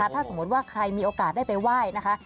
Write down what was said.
ถ้าสมมติว่าใครมีโอกาสได้ไปไหว้นะคะ